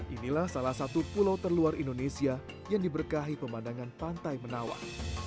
inilah salah satu pulau terluar indonesia yang diberkahi pemandangan pantai menawar